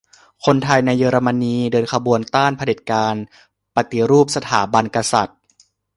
คนไทยในเยอรมนี เดินขบวนต้านเผด็จการ ปฏิรูปสถาบันกษัตริย์